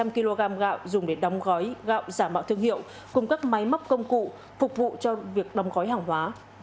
một trăm linh kg gạo dùng để đóng gói gạo giả mạo thương hiệu cùng các máy móc công cụ phục vụ cho việc đóng gói hàng hóa